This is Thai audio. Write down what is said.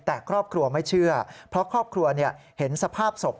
แต่ครอบครัวไม่เชื่อเพราะครอบครัวเห็นสภาพศพ